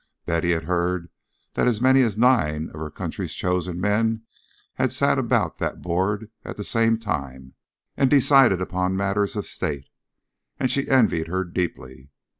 Betty had heard that as many as nine of her country's chosen men had sat about that board at the same time and decided upon matters of state; and she envied her deeply.